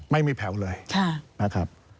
ไม่มีแผลวเลยนะครับ